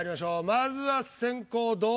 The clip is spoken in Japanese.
まずは先攻堂